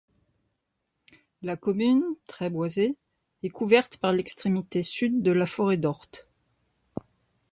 La commune, très boisée, est couverte par l'extrémité sud de la forêt d'Horte.